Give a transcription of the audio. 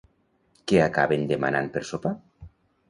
Què acaben demanant per sopar?